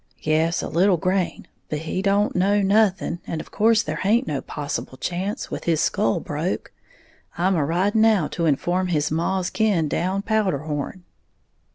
"Yes, a little grain; but he don't know nothing, and of course there haint no possible chance, with his skull broke. I'm a riding now to inform his maw's kin down Powderhorn."